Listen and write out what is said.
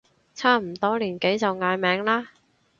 差唔多年紀就嗌名啦